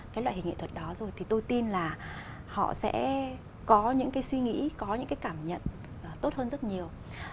cái loại hình nghệ thuật đó rồi thì tôi tin là họ sẽ có những cái suy nghĩ có những cái cảm nhận tốt hơn rất nhiều